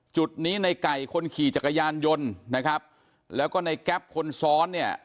จุดนี้ในไก่คนขี่จักรยานยนต์นะครับแล้วก็ในแก๊ปคนซ้อนเนี่ย